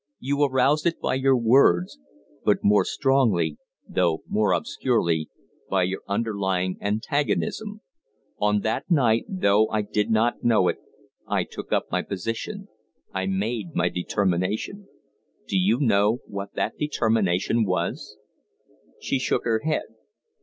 You aroused it by your words but more strongly, though more obscurely, by your underlying antagonism. On that night, though I did not know it, I took up my position I made my determination. Do you know what that determination was?" She shook her head.